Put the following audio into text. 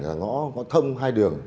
là ngõ thông hai đường